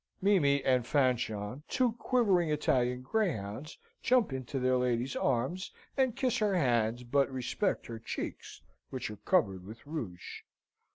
Mimi and Fanchon, two quivering Italian greyhounds, jump into their lady's arms, and kiss her hands, but respect her cheeks, which are covered with rouge.